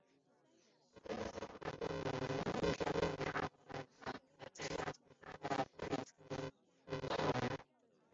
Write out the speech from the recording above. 一条被命名为阿尔塔莫诺夫链坑的直线链坑从它的东北侧擦身而过伸向东南。